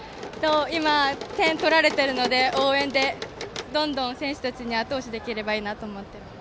今、点取られているので応援で、どんどん選手たちにあと押しできればいいなと思っています。